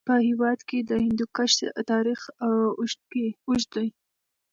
په هېواد کې د هندوکش تاریخ اوږد دی.